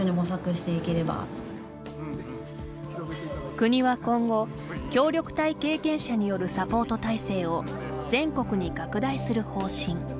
国は今後、協力隊経験者によるサポート体制を全国に拡大する方針。